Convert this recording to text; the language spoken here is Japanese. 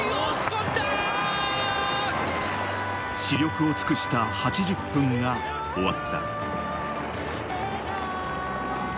死力を尽くした８０分が終わった。